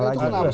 itu kan hapsi